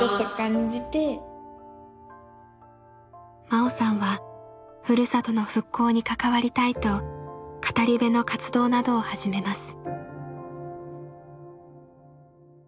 真緒さんは故郷の復興に関わりたいと語り部の活動などを始めます。